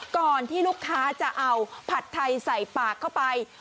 ก่อนที่ลูกค้าจะเอาผัดไทยใส่ปากเข้าไป